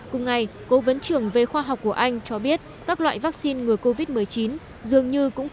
cùng ngày cố vấn trưởng về khoa học của anh cho biết các loại vaccine ngừa covid một mươi chín dường như cũng